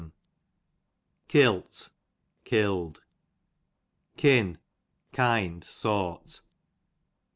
KiJt, killed. Kin, kind sort.